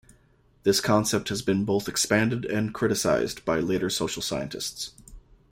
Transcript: This concept has been both expanded and criticized by later social scientists.